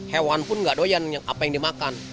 hewan pun gak doyan apa yang dimakan